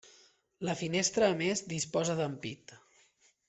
La finestra a més disposa d'ampit.